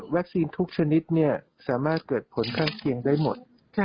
ทุกชนิดสามารถเกิดผลข้างเคียงได้หมด